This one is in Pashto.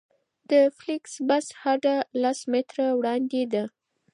د فلېکس بس هډه لس متره وړاندې ده